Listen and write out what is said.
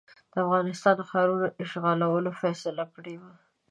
د افغانستان ښارونو اشغالولو فیصله کړې وه.